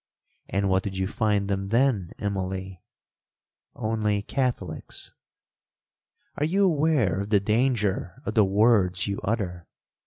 '—'And what did you find them, then, Immalee?'—'Only Catholics.'—'Are you aware of the danger of the words you utter?